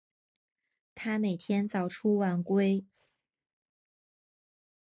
他每天早出晚归